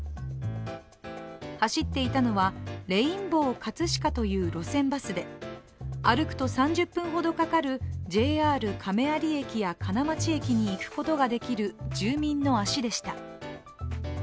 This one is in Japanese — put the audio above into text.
走っていたのはレインボーかつしかという路線バスで歩くと３０分ほどかかるＪＲ亀有駅や金町駅に行くことができる住民の足でした。